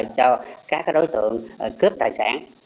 cho các đối tượng cướp tài sản